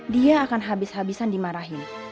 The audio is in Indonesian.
dia akan habis habisan dimarahin